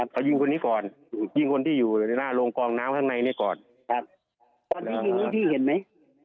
เขายิงคนนี้ก่อนยิงคนที่อยู่ในหน้าโรงกองน้ำข้างในนี้ก่อนครับตอนนี้ยิงอย่างงี้พี่เห็นไหม